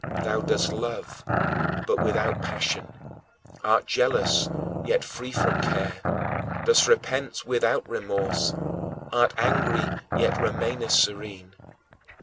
Thou dost love, but without passion; art jealous, yet free from care; dost repent without remorse; art angry, yet remainest serene.